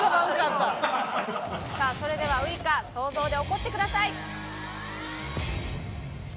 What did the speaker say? さあそれではウイカ想像で怒ってください。